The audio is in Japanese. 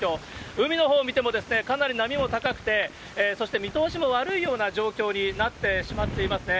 海のほう見ても、かなり波も高くて、そして見通しも悪いような状況になってしまっていますね。